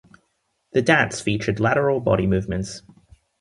The dance featured lateral body movements.